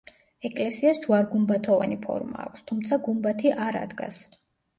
ეკლესიას ჯვარ-გუმბათოვანი ფორმა აქვს, თუმცა გუმბათი არ ადგას.